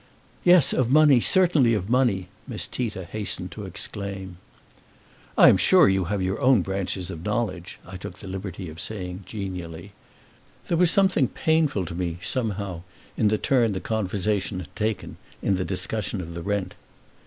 "Yes, of money certainly of money!" Miss Tita hastened to exclaim. "I am sure you have your own branches of knowledge," I took the liberty of saying, genially. There was something painful to me, somehow, in the turn the conversation had taken, in the discussion of the rent.